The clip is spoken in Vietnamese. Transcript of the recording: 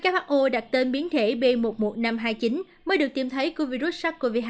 who đặt tên biến thể b một mươi một nghìn năm trăm hai mươi chín mới được tìm thấy của virus sars cov hai